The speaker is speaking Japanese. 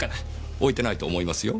置いてないと思いますよ。